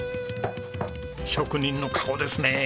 職人の顔ですね。